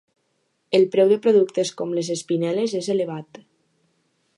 El preu de productes com les espinel·les és elevat.